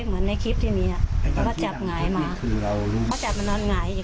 เหมือนในคลิปที่มีอ่ะเขาก็จับหงายมา